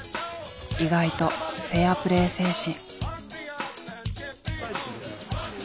意外とフェアプレー精神。